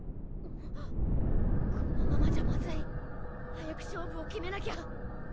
このままじゃマズい早く勝負を決めなきゃ